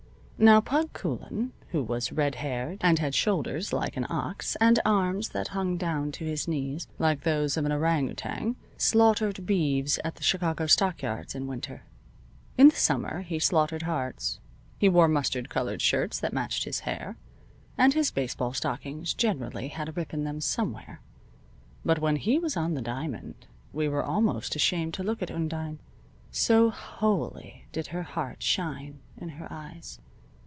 Now "Pug" Coulan, who was red haired, and had shoulders like an ox, and arms that hung down to his knees, like those of an orang outang, slaughtered beeves at the Chicago stockyards in winter. In the summer he slaughtered hearts. He wore mustard colored shirts that matched his hair, and his baseball stockings generally had a rip in them somewhere, but when he was on the diamond we were almost ashamed to look at Undine, so wholly did her heart shine in her eyes.